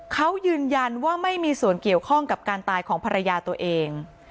เขายืนยันว่าไม่มีส่วนเกี่ยวข้องกับการตายของภรรยาตัวเอง